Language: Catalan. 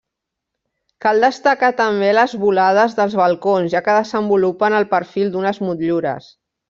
Cal destacar també les volades dels balcons, ja que desenvolupen el perfil d'unes motllures.